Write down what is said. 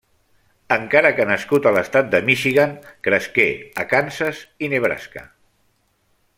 Encara que nascut a l'estat de Michigan, cresqué a Kansas i Nebraska.